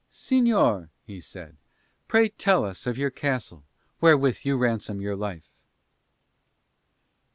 "Señor," he said, "pray tell us all of your castle wherewith you ransom your life."